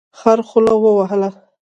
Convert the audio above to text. خر خوله وهله.